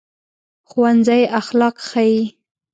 ښوونځی اخلاق ښيي